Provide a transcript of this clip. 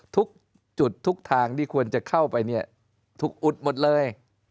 ทุกจุดทุกทางที่ควรจะเข้าไปเนี่ยถูกอุดหมดเลย